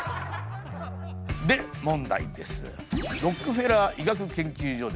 で問題です。